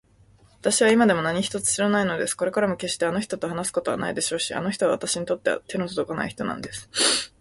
わたしは今でも何一つ知らないのです。これからもけっしてあの人と話すことはないでしょうし、あの人はわたしにとっては手のとどかない人なんです。